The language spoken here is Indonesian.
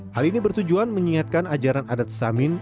hal ini bertujuan mengingatkan ajaran adat samin